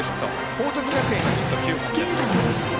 報徳学園が、ヒット９本です。